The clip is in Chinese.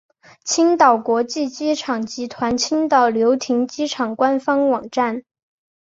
青岛国际机场集团青岛流亭机场官方网站